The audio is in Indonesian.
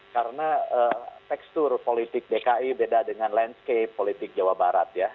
karena tekstur politik dki beda dengan landscape politik jawa barat ya